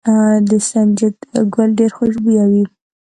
د سنجد ګل ډیر خوشبويه وي.